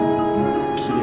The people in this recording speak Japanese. きれいだ。